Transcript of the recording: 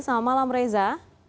selamat malam reza